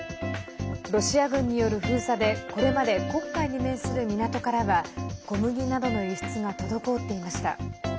ロシア軍による封鎖でこれまで黒海に面する港からは小麦などの輸出が滞っていました。